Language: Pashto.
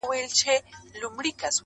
o پرده به خود نو، گناه خوره سي.